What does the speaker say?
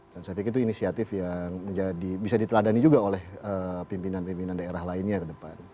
dan saya pikir itu inisiatif yang bisa diteladani juga oleh pimpinan pimpinan daerah lainnya ke depan